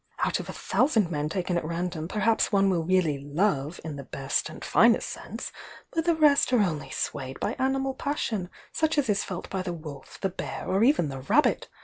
Out of a thousand men taken at random perhaps one will really love, in the best and finest sense; the rest are only swayed by animal passion such as is felt by the wolf, the bear, or even the rabbit!